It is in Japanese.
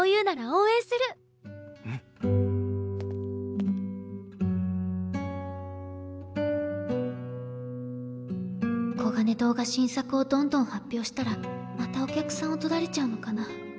心の声こがね堂が新作をどんどん発表したらまたお客さんをとられちゃうのかな。